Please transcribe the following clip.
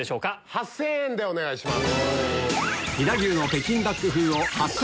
８０００円でお願いします。